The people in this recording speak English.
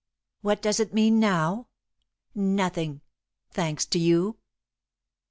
What does it mean now? Nothing thanks to you!"